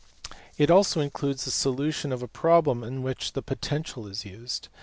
419); it also includes the solution of a problem in which the potential is used.